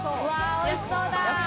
おいしそうだ。